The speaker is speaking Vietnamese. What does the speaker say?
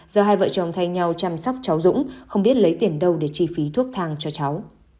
do hai vợ chồng thay nhau chăm sóc cháu dũng không biết lấy tiền đâu để chi phí thuốc thang cho cháu